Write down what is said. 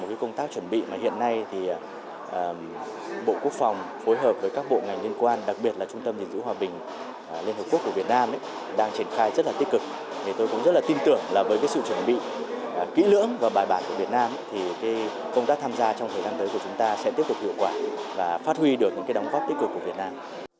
thì công tác tham gia trong thời gian tới của chúng ta sẽ tiếp tục hiệu quả và phát huy được những đóng góp tích cực của việt nam